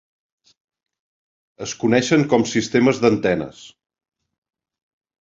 Es coneixen com "sistemes d'antenes".